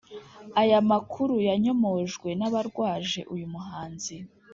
aya makuru yanyomojwe n'abarwaje uyu muhanzi